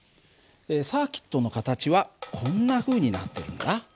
サーキットの形はこんなふうになってるんだ。